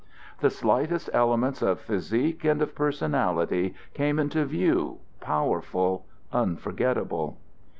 The slightest elements of physique and of personality came into view powerful, unforgetable.